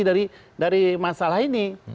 dari masalah ini